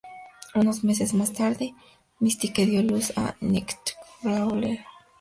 Unos meses más tarde, Mystique dio a luz a Nightcrawler.